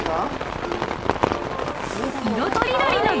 ［色とりどりの］